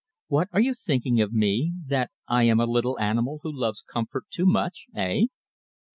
What are you thinking of me that I am a little animal who loves comfort too much, eh?"